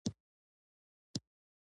چټي خبري مه کوه !